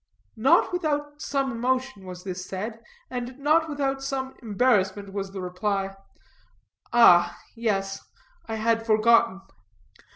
Not without some emotion was this said, and not without some embarrassment was the reply. "Ah, yes, I had forgotten."